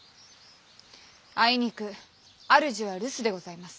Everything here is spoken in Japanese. あいにく主は留守でございます。